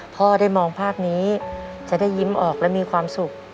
พ่อได้มองภาพนี้จะได้ยิ้มออกและมีความสุข